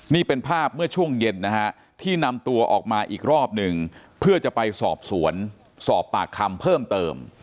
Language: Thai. นี่เป็นภาพเมื่อช่วงเย็นนะฮะที่นำตัวออกมาอีกรอบหนึ่งเพื่อจะไปสอบสวนสอบปากคำเพิ่มเติม